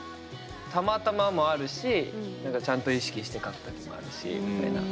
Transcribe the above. たまたまもあるしちゃんと意識して書く時もあるしみたいな。